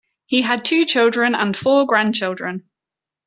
He had two children and four grandchildren.